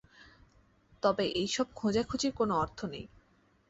তবে এই সব খোঁজাখুঁজির কোনো অর্থ নেই।